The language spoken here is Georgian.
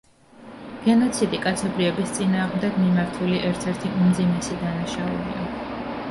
გენოციდი კაცობრიობის წინააღმდეგ მიმართული ერთ-ერთი უმძიმესი დანაშაულია.